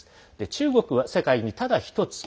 中国は世界にただひとつ。